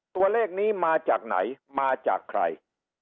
ตัวเลขนี้มาจากไหนมาจากใคร